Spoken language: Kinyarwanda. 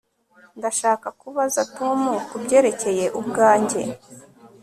Ndashaka kubaza Tom kubyerekeye ubwanjye